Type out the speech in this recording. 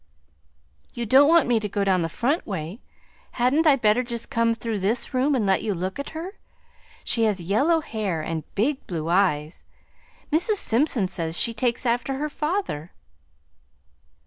"You don't want me to go down the front way, hadn't I better just come through this room and let you look at her? She has yellow hair and big blue eyes! Mrs. Simpson says she takes after her father."